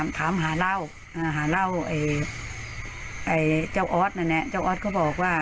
ก็ถามหาเล่าหาเล่าเจ้าออดนั่นแหละ